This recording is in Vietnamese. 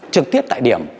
trực tiếp tại điểm